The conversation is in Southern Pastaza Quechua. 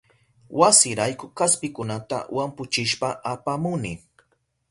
Wasirayku kaspikunata wampuchishpa apamuni.